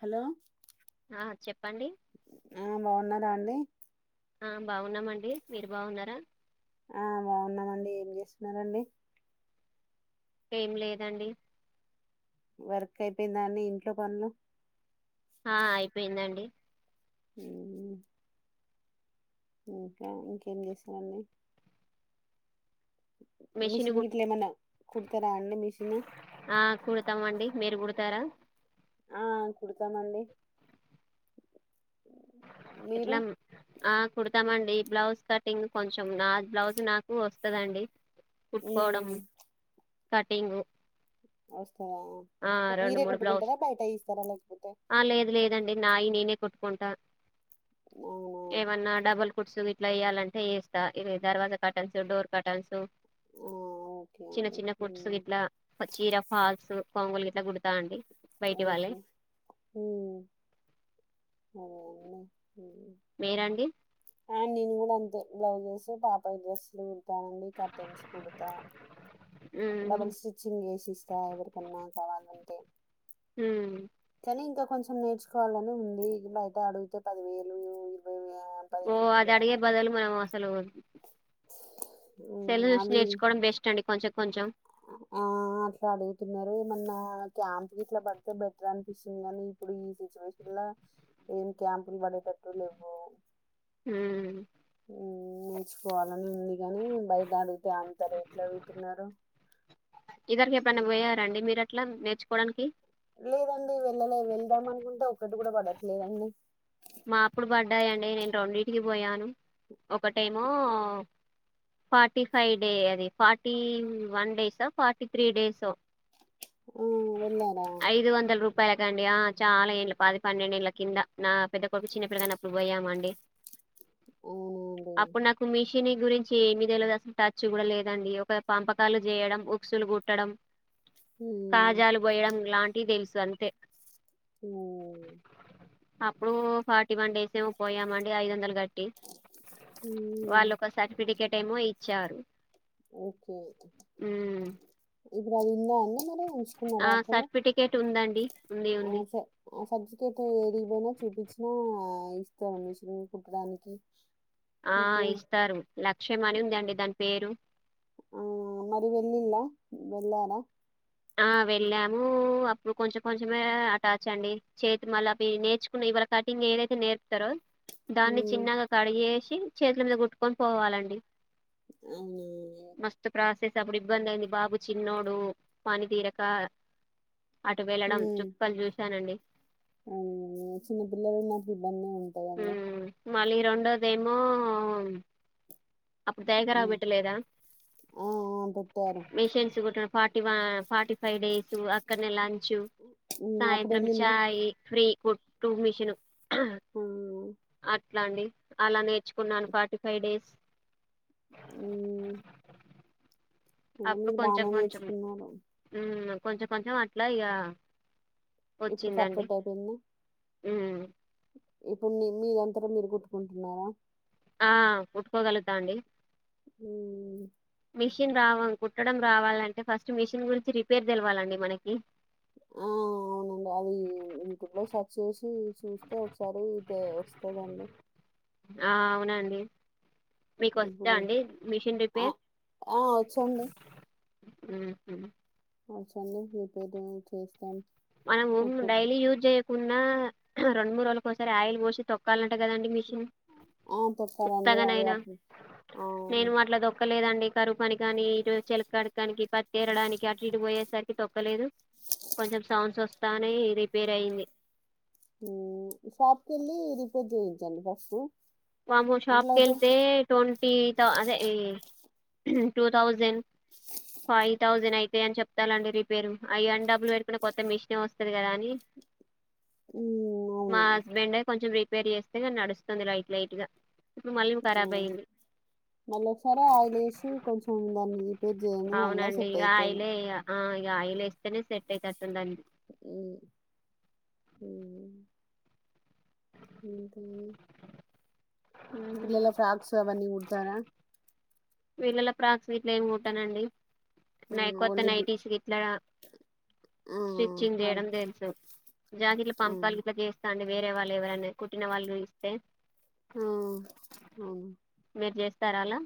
Hello ఆ చెప్పండి ఆ బాగున్నారా అండి ఆ బాగున్నామండి మీరు బాగున్నారా ఆ బాగున్నామండి ఏం చేస్తున్నండి ఏం లేదండి వర్క్ అయిపోయిన దాన్ని ఇంట్లో కొనులు ఆ అయిపోయిందండి అ ఇంకా ఇంకేం చేసావాడి మెషిన్ మిషిన్ కు గిట్లే ఏమన్నా కుడతారా అండి మిషన్ ఆ కుడతామ అండి మీరు కుడతారా ఆ కుడతామండి మీరు ఎట్లా ఆ కుడతామండి బ్లౌజ్ కటింగ్ కొంచెం నా బ్లౌజ్ నాకు వస్తుందండి కుట్టుకోవడం కటింగు వస్తదా మీరే మూడు బ్లౌజ్ కుట్టుకుంటరా బయట ఇస్తారా లైక్ ఆ లేదు లేదండి నాయి నేనే కొట్టుకుంటా అవునా ఏమన్నా డబుల్ ఫుడ్సు ఇట్లా ఇయ్యాలంటే చేస్తా దవాజా కట్టల్న్సు డోర్ కటల్సు ఆ ఓకే చిన్న అండి చిన్న ఫుడ్స్ ఉమ్, ఇట్లా చీర ఫాల్స్ కోంగోలు గిలా కుడతా అండి బయటి వాళ్ళే ఓకే అన్న వేరండి అండ్ నేను కూడా అంతే బ్లౌజెస్ పాపయ డ్రెస్లు ండి కట్టించిు కుడతా హ్మ్ డబల్ స్టిచ్చింగ్ వేసి ఇస్తా ఎవరికన్నా కావాలంటే హ కా ఇంకా కొంచెం నేర్చుకోవాలని ఉంది ఇ బయట అడిగితే పదివేలు ఇరవై వేలు ఓ పదిహేను అది అని అడిగే అడుగుతు బదులు మనం అసలు సెల్లు చూసి అవి నేర్చుకోవడం బెస్ట్ అండి కొంచెం కొంచెం. ఆ అట్ల అడుగుతున్నరు ఏమన్నా క్యాంప్ గిట్ల పడితే బెటర్ అనిపిస్తుంది కానీ ఇప్పుడు ఈ సిచ్యువేషన్ల ఏం క్యాంపులు పడే టట్టు లెవ్వు ఉమ్ నేర్చుకోవాలని ఉంది కాని బయట అడిగితే అంత రేట్ ఇదివరకి ఎప్పుడన్న పోయారాండి మీరు అట్లా నేర్చుకోవడానికి లేదండి వెళ్ళలే వెళ్దాం అనుకుంటే ఒక్కటి కూడ పడట్లేదండి మా అప్పుడు బడ్డాయండి నేను రెండింటికి పోయాను ఒకటేమో ఫార్టీ ఫైవ్ డే అది ఫార్టీ వన్ డేసో ఫార్టీ త్రీ డేసో ఆ వెళ్ళారా రపాయలకండి ఆ చాలా ఏండ్లు పది పన్నెండెండ్ల కింద నా పెద్ద కొడుకు చిన్నపిలగాన్నప్పుడు పోయామండి ఓ షినీ గురించి ఎమి తెల్వద్ అసలు టచ్ కూడ లేదండి ఒక పంపకాలు చేయడం ఉక్సులు కుట్టడం హ్మ్. కాజాలు పోయడం లాంటి తెలుసు అంతే ఆ ఇప్పుడు ఫార్టీ వన్ డేస్ ఏమో పోయామండి ఐదొందలు గట్టి ట్టి వాళ్ళు హ్మ్. ఒక సర్టిఫికెట్ ఏమో ఇచ్చారు ఓకే ఉమ్ ఇప్పుడు అదుందా అండి మరి ఉంచుకున్నారా ఆ అట్లనే సర్టిఫికేట్ ఉందండి ఉంది ఉంది ఆ సర్ఫికేట్ ఏడికిపోయినా చూపించినా ఇస్తారు మిషీన్ కుట్టడానికి ఆ మీకు ఇస్తారు లక్ష్యం అని ఉందండి దాని పేరు ఆ మరి వెళ్ళిలా వెళ్ళారా ఆ వెళ్ళాము అప్పుడు కొంచెం కొంచమే అటాచ్ అండి చేతి మళ్ళ అవి నేర్చుకున్న ఇ కటింగ్ ఏదైతే నేర్పుతరో దాన్ని హ్మ్. చిన్నగ కట్ చేసి చేతుల మీద కుట్టుకొని పోవాలండి మస్తు అవునా ప్రాసెస్ అప్పుడు ఇబ్బంది అయింది బాబు చిన్నోడు పనితీరక అటు వెళ్ళడం చుక్కలు చూశానండి అ చిన్న పిల్లలు ఉన్నపుడు ఉమ్ మళ్ళీ రెండోదేమో అప్పుడు దయగరావు హ్మ్. బెట్టలేదా ఆ! ఆ! పెట్టారు. మిషన్స్ కుటిన ఇగ ఫార్టీ ఫైవ్ డేసు అక్కడనే లంచ్ హ్మ్. అప్పుడు సాయంత్రం ఎళ్ళిల్లా? చాయ్ ఫ్రీ కుట్టు మిషిను ఆ ఎట్లా అండి అలా నేర్చుకున్నాను ఫార్టీ ఫైవ్ డేస్ ఆ అప్పుడు కొంచెం కొంచెం నేర్చుకున్నారు. ఉమ్ కొంచెం కొంచెం అట్లా ఇక ఇప్పుడు పెర్ఫెక్టైపోయిందా ఉమ్ ఇప్పుడు మీరంతట మీరు కుట్టుకుంటున్నారా ఆ కుట్టుకోగలుగుతా అండి ఉమ్ మిషిన్ రావడం కుట్టడం రావాలంటే ఫస్ట్ మిషిన్ గురించి రిపేర్ తెలవాలండి మనకి ఆ అవునండి అది యూట్యూబ్ లో సెర్చ్ చేసి చూస్తే ఒకసారి వ స్తదండి ఆ అవునండి మీకు వస్తదా ఇప్పుడు అండి మిషిన్ ఆ! రిపేర్ ఆ! వచ్చండి. ఉమ్ హు [unintelligible] రీపేరు చేస్తాం మనమూ కుట్టు డైలీ యూజ్ జేయ కున్నా రెండు మూడు రోజులకోసారి ఆయిల్ పోసి తొక్కాలంట గదండి మీష్ ఆ! కుడతానండి. అది ఉత్తగనైనా అట్లా ఆ! నేను అట్ల దొక్కలేదండి కరువు పనికనీఇటు చెలక్కాడకని గి పత్తేరడానికి అటు ఇటు పోయేసరికి తొక్కలేదు కొంచెం సౌండ్స్ వస్తానయ్ రిపేరయింది ఉమ్, షాప్ కెళ్ళి రిపేర్ చేయించండి ఫస్ట్ వామ్మో షాప్కెళ్తే ట్వంటీ థ అదే యీ టూ థౌజండ్ ఫైవ్ థౌజండ్ అయితయని చెప్తాల్లండి రిపేరు, అయ్యే అన్ని డబ్బలు పెట్టుకునే కొత్త మిషన్ వస్తది గదా అని హ్మ్. మా అవును. హస్బెండె కొంచెం రిపేర్ జేస్తే నడుస్తుంది లైట్ లైట్ గా లివ్ ఖరాబయింది మల్లోకసారి ఆయిల్ ఏసి కొంచెం దాన్ని రిపేర్ చేయండి మళ్ళా అవునండి సెట్ ఇగ అయితది ఆయిలే ఇగ ఆ ఇ ఆయిలేస్తేనే సెట్ అయేటట్టుంది ఉమ్ ఇంక అన్ హ్మ్ పిల్లల ఫ్రాక్స్ అవన్నీ గుడుతారా పిళ్లల ఫ్రాక్స్ గిట్ల ఏం కుట్టనండి నై కొత్త ఓన్లీ బి నైటిస్ గిట్లా ఆ స్టిచ్చింగ్ అవి జేయడం తెలుసు జాకెట్ల ఆ పంపకాలు గిట్ల జేస్తా అన్ వేరే వాళ్ళు ఎవరన్న కుట్టిన వాళ్ళు ఇస్తే ఆ అవునా మీరు జేస్తార అలా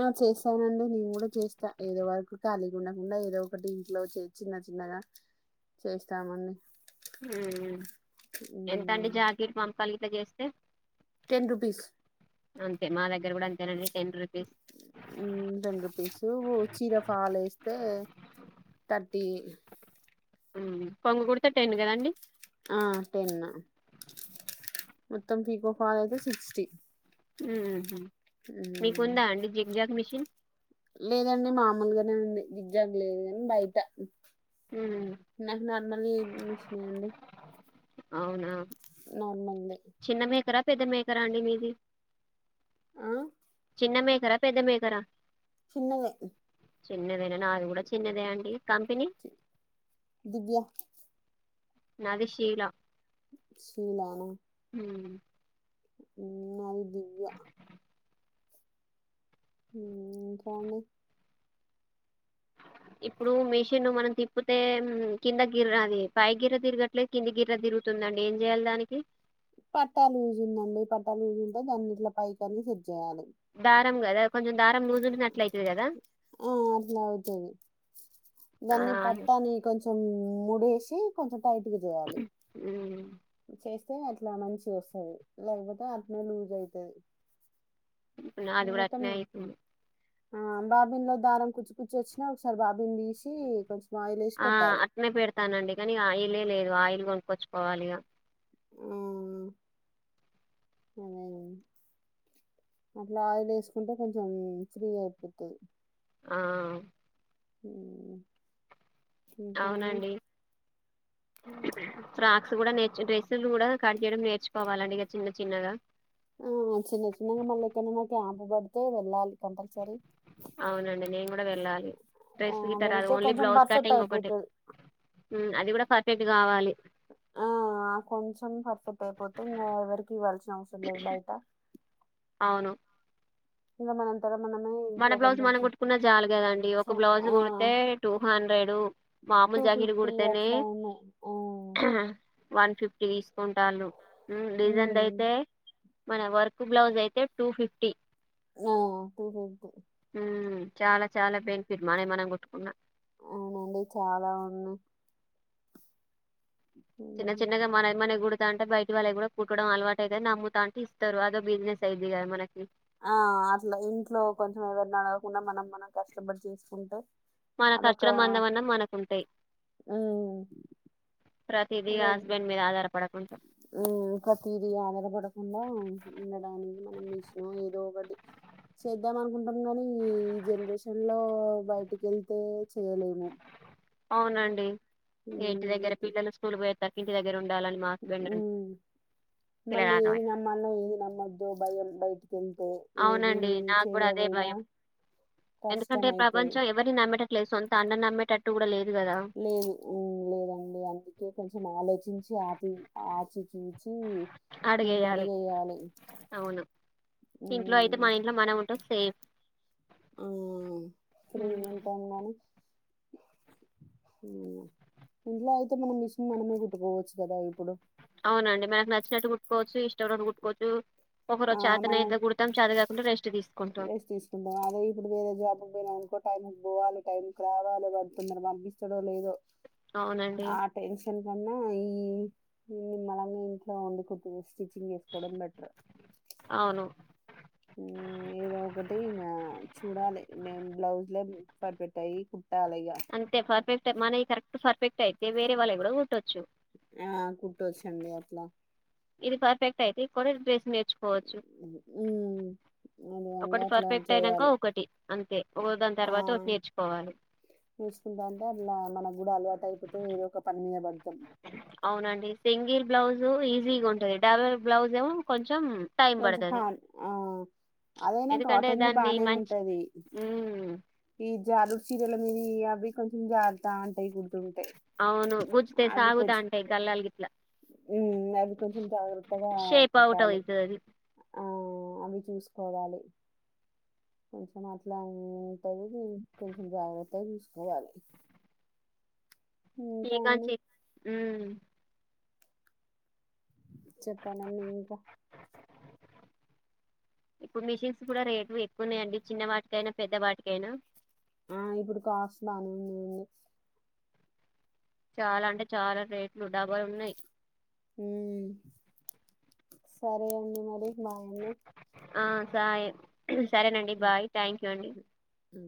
ఆ చేస్తానండి నేను గుడా చేస్తా ఏదో వరకు కలిగుండకుండా ఏదో ఒకటి ఇంట్లో చిన్న చిన్న గదా చేస్తామన్ని ఎంతండి మ్మ్ జాకీట్ పంపకాలు గిట్ల జేస్తే టెన్ రుపీస్ అంతే మా దగ్గర గూడ అంతే నండి ఉమ్ రెండు పీసు వో చీర ఫాల్ ఎస్తే థర్టీ ఉమ్ కొంగు గుడిత్ ఆ టెన్ మొత్తం పీకో ఫాల్ అయితే సిక్స్టీ ఉ హు మ్మ్ మీకుందా అండి జిగ్ జాగ్ మిషిన్ లేదండి మామూలుగానే ఉంది జిగ్ జాగ్ లేదు గని బయట మ్మ్ నాకు నార్మల్ మీషినే అండి అవునా నార్మల్ దే చిన్న మేకరా, పెద్ద మేకరా అండి మీది. ఆ చిన్న మేకరా పెద్ద మేకరా చిన్నదే చిన్నదేనా నాది గుడ చిన్నదే అండి కంపెనీ దివ్య నాది శీల షిలా నా ఉమ్ ఉమ్ నాది దివ్య ఉమ్ ఇంకా అండి [inaudible] ఇప్పుడు మిషిన్ మనం తిప్పుతే కింద గిర్ర అది పై గిర్ర తిరిగట్లేదు కింద గిర్ర తిరుగుతుం తుందండి ఏం జేయాలి దానికి పట్టా లూజ్ ఉందండి. పట్టా లూజ్ ఉంటే దాన్ని ఇట్లా పైకని సెడ్ జేయాలి. దారం గాదా కొంచెం దారం లూజుంటనే అట్లాయితది గాదా ఆ అట్లా అవుతుంది దాన్ని పడ్తానే, కొంచెం మూడేసి కొంచెం టైట్గా జేయాలి. ఉమ్, చేస్తే అట్లా మంచిగా వసది, లేకపోతే అట్నే లూజ్ ఐతది. నాది గుడా అట్నే అయితుంది. ఆ బాబీన్ లో దారం కుచ్ కుచ్చి వచ్చినా, ఒకసారి బాబీన్ దీసి కొంచెం ఆయిల్ వేసి ఆ పెట్టాలి అట్నే పెడతానండి. కానీ ఆయిలే లేదు ఆయిల్ కొనుక్కొచ్చుకోవాలి ఇగా. ఆహ్ అదే ఏయ్ అట్లా ఆయిల్ ఏసుకుంటే కొంచెం ఫ్రీ అయిపోతయ్. ఆఅ ఉహ్ అవునండి. ఇంకా ఫ్రాక్స్ కూడా నేర్ డ్రెస్సులు కూడా కడ్ జేయడం, నేర్చుకోవాలండి ఇగా చిన్న చిన్నగా. ఆ చిన్న చిన్నగా మళ్ళా ఎక్కనాన్న క్యాంపు పడితే వెళ్ళాలి. కంపల్సరీ. అవునండి, నేను కూడా వెళ్ళాలి. ఆ! డ్రెస్ ఇతర అది వెళ్తే ఓన్లీ కొంచెం బ్లౌజ్ పర్ఫెక్ట్ కటింగ్ ఒకటి అయిపోతది. హుమ్ అది కూడా పర్ఫెక్ట్ కావాలి. ఆఅ ఆ కొంచెం పర్ఫెక్ట్ అయిపోతే, ఇంగా ఎవరికి ఇవ్వాల్సిన అవసరం లేదు బయట. అవును ఇంగా మనంతర మనమే మన ఇంట్లో బ్లౌజ్ కొంచెం మనం కుట్టుకున్న చాలు కదండి. చ ఒక బ్లౌజ్ ఆ! కుడితే టూ హండ్రెడ్ మామూలు జాకీట్ లీగూడ్తానే అట్లా ఉన్నాయి. ఆ! ట్రూర్ వన్ ఫిఫ్టీ తీసుకుంటాలు, హు డెజైంది హ్మ్. అయితే మన వర్క్ బ్లౌజ్ అయితే టు ఫిఫ్టీ నా టుడే హుహ్ చాలా చాలా బెనిఫిట్ మానై మనం కొట్టుకున్నా. అవునండి చాలా ఉంది. చిన్న చిన్నగా మానై మన గుడుత్ ట్లా అంటే బయటి వాళ్ళై కూడా కుట్టడం అలవాటైతది నాముతాంటే ఇస్తారు. అదో బిజీనెస్ అయిది గాదా మనకి ఆ అట్లా ఇంట్లో కొంచెం ఎవర్న్ అడగకుండా మనం, మనం కష్టపడి చేసుకుంటే మన అదొక ఖర్చుల మందం అన్నా మనకు ఉంటాయి ఉహ్ ప్రతిది హస్బెండ్ మీద ఆధారపడకుంటా హు ఇంకా తిదీ ఆధారపడకుండా, ఉండడానికి మనం మిషన్ ఏదో ఒకడి. చేద్దాం అనుకుంటాం గానీ, ఈ ఈ జనరేషన్ లో బయటికి ఏళ్తే చేయలేము. అవునండి. ఇగా ఇంటి ఉమ్, దగ్గర పిల్లలు స్కూల్ పోయేతర్కి ఇంటి దగ్గర ఉన్ హుహు్ మళ్ళీ పిల్లగానివే ఏది నమ్మలో ఏది నమోదో భయం బయటి కేంతే ఏది అవునండి నాకు కూడా అదే చేయవొయినా భయం ఎందుకంటే ప్రపంచం ఎవరిని నమ్మేటట్లేదు, సొంత అన్న నమ్మేటట్టు కూడా లేదు. కదా లేదు హు లేదండి. అందుకే కొంచెం ఆలోచించి ఆపి ఆచి చూచి హు మున్నడు అడిగేయాలి గేయాలి. అవును ఇంట్లో అయితే మాయి ఇంట్లో మనం ఉంటావ్ సేఫ్ ఆఆ ఫ్రీ హ్మ్ గుంటాం గానీ హు ఇంట్లో అయితే మనం మిషన్ మనమే కుట్టుకోవచ్చు కదా ఇప్పుడు అవునండి. మనకు నచ్చినట్టు కుట్టుకోవచ్చు, ఇష్టావునట్టు కుట్టుకోవచ్చు. ఒక రోజు చేతనైతే కుడతాం, చేత కాకుంటే రెస్ట్ దిస్ వేస్ట్ తీసుకుంటాం. అదే ఇప్పుడు వేరే జాబుగి పోయినా అనుకోంట టైముకి బోవాలి, టైంకి రావాలి, వాడు తొందరగా పంపిస్తడో లేదో. అవునండి ఆ టెన్షన్ కన్నా ఈ మనం ఇంట్లో వుండి కుట్టు స్టిచ్చింగ్ చేసుకోవడం బెటర్ అవును మ్మ్ ఏ ఏదో ఒకటి ఇంగా చూడాలి నిను బ్లౌజ్ లో పరిపెక్టే అయ్యి కు అంటే పర్ఫెక్ట్ మనవి కరెక్ట్ పర్ఫెక్ట్ అయితే వేరే వాళ్ళవి కూడా కుట్టాచ్చు ఆ కుట్టొచ్చండి అట్లా ఇది పర్ఫక్ట్ అయితే [unintelligible] కూడా డ్రెస్ నేర్చు ఉను ఒకటి పర్ఫెక్ట్ అయినాంక ఒకటి అంతే ఒకదాని తర్వాత ఒకటి నేర్చుకోవాలి చేసుకుంటా అంటే అట్లా మనకు కూడా అలవాటు అయిపోతాది ఏదో ఒక పని మీద పడు అవునండి సింగిల్ బ్లౌజ్ ఈజీగా ఉంటంది డబుల్ బ్లౌజ్ ఏమో కొంచెం కొంచెం టైం కొంచెం హా పడుతాది ఆ అదైనా ఎందుకంటే కాటన్ది దాన్ని బానే మంచి ఉంటది ఈ జారు చీరల మీద అవి కొంచెం జారుతా ఉంటాయి కుడుతుంటాయి అవును గుచ్చితే సాగుతాంటాయి గల్లాల గిట్లా మ్మ్ అది కొంచెం జాగ్రత్తగా షేప్ అవుట్ కుట్టాలి అవుతది అది ఆ అవి చూసు కోవాలి కొంచెం అట్లా కొంచెం జాగ్రత్త గా చూసుకోవాలి ఇంకా అండి మ్మ్ చెప్పాండి అండి ఇంకా ఇప్పుడు మిషన్స్ కూడా రేట్లు ఎక్కువనే అండి చిన్న వాటికైనా పెద్ద వాటికైనా ఆ ఇప్పుడు కాస్ట్ బనే ఉంది కదా చాలా అంటే చాలా రేట్లు డబాలు ఉన్నాయి మ్మ్ సరే అండి మరి బాయ్ అండి ఆ సాయి సరేనండి బాయ్ థ్యాంక్ యూ అండి ఉ